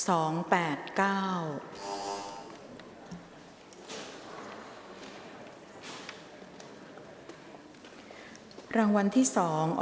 ออกรางวัลที่๖เลขที่๗